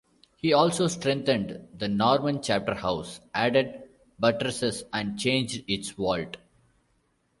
He also strengthened the Norman chapter house, added buttresses and changed its vault.